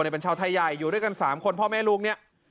เป็นชาวไทยใหญ่อยู่ด้วยกัน๓คนพ่อแม่ลูกเนี่ย